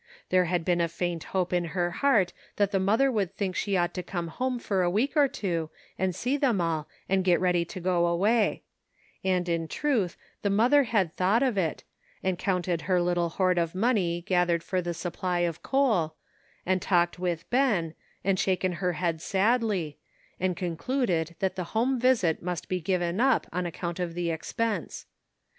There had been a faint hope in her heart that the mother would think she ought to come home for a week or two and see them all and get ready to go away ; and in truth the mother had thought of it, and counted her little hoard of money gathered for the supply of coal, and talked with Ben, and shaken her head sadly, and concluded that the home visit must be given up on account of the expense.